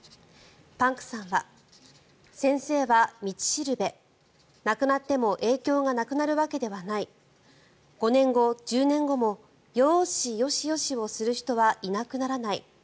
パンクさんは先生は道しるべ亡くなっても影響がなくなるわけではない５年後、１０年後もよーし、よしよしをする人はいなくならない。